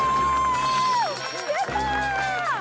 やった！